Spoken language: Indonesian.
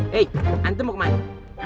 hei antum mau kemana